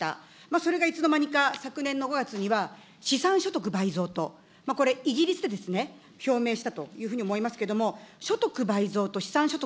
それがいつのまにか昨年の５月には、資産所得倍増と、これ、イギリスで表明したというふうに思いますけれども、所得倍増と資産所得